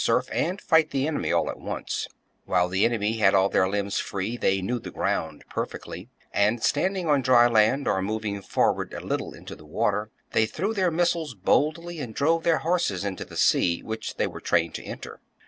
surf, and fight the enemy all at once ; while the enemy had all their limbs free, they knew the ground perfectly, and standing on dry land or moving forward a little into the water, they threw their missiles boldly and drove their horses into the sea, which they were trained to enter.